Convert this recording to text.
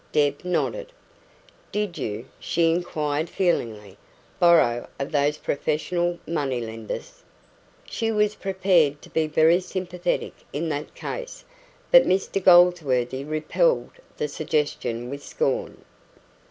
Deb nodded. "Did you," she inquired feelingly, "borrow of those professional money lenders?" She was prepared to be very sympathetic in that case; but Mr Goldsworthy repelled the suggestion with scorn.